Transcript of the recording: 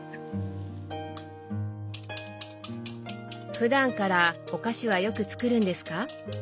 ふだんからお菓子はよく作るんですか？